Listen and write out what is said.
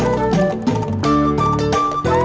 terus setor ke saya